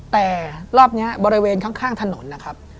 แต่รอบนี้บริเวณข้างถนนนะครับ